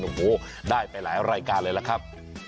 โอ้โหได้ไปหลายรายการเลยล่ะครับ